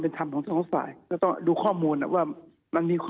เป็นธรรมของทั้งสองฝ่ายก็ต้องดูข้อมูลว่ามันมีข้อ